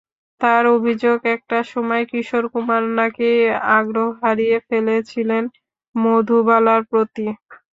তাঁর অভিযোগ, একটা সময় কিশোর কুমার নাকি আগ্রহ হারিয়ে ফেলেছিলেন মধুবালার প্রতি।